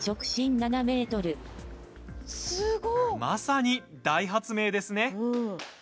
まさに、大発明ですね！